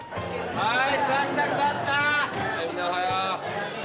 はい。